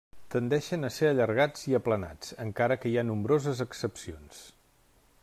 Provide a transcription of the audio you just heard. Tendeixen a ser allargats i aplanats, encara que hi ha nombroses excepcions.